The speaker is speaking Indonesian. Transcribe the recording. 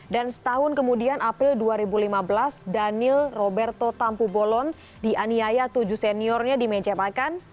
dan setahun kemudian april dua ribu lima belas daniel roberto tampu bolon dianiaya tujuh seniornya di meja pakan